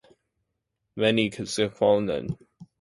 Many species are known to damage leaves of "Vachellia nilotica".